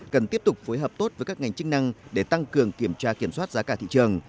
cần tiếp tục phối hợp tốt với các ngành chức năng để tăng cường kiểm tra kiểm soát giá cả thị trường